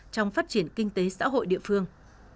trong phát triển kinh tế xã hội địa phương